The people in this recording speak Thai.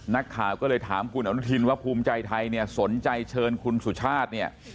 นักข่าวก็เลยถามคุณอนุทินว่าภูมิใจไทยเนี่ยสนใจเชิญคุณสุชาติเนี่ย